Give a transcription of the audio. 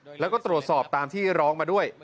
แล้วก็ตรวจสอบตามที่ร้องมาด้วย